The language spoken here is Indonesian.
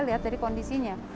lihat dari kondisinya